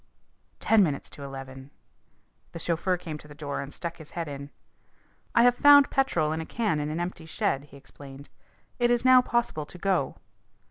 Ten minutes to eleven! The chauffeur came to the door and stuck his head in. "I have found petrol in a can in an empty shed," he explained. "It is now possible to go."